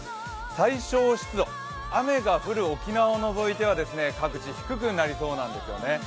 最小湿度、雨が降る沖縄を除いては各地、低くなりそうなんですよね。